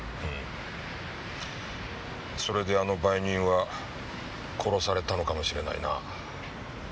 それであの売人は殺されたのかもしれないな。